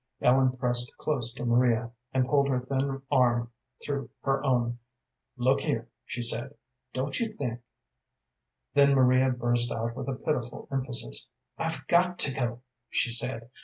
Ellen pressed close to Maria, and pulled her thin arm through her own. "Look here," she said, "don't you think " Then Maria burst out with a pitiful emphasis. "I've got to go," she said.